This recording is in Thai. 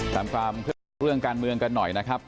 ตามความคืบหน้าเรื่องการเมืองกันหน่อยนะครับ